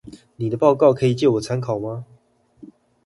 妳的報告可以借我參考嗎？